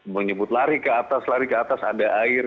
menyebut lari ke atas lari ke atas ada air